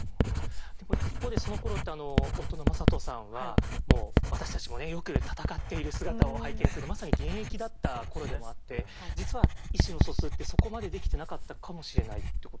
でも一方でそのころって夫の魔裟斗さんはもう私たちもねよく戦っている姿を拝見するまさに現役だった頃でもあって実は意思の疎通ってそこまでできてなかったかもしれないってことなんですかね？